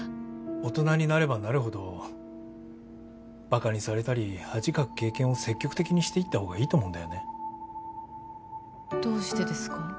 大人になればなるほどバカにされたり恥かく経験を積極的にしていった方がいいと思うんだよねどうしてですか？